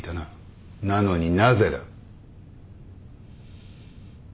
なのになぜだ。